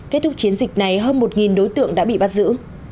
kết thúc chiến dịch này hơn một đối tượng đã bị bắt giữ